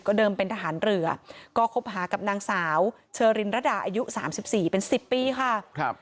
ก็เดิมเป็นทหารเรือก็คบหากับนางสาวเชิริณระด่าอายุสามสิบสี่เป็นสิบปีค่ะครับ